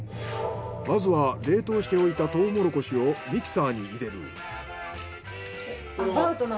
まずは冷凍しておいたトウモロコシをミキサーに入れる。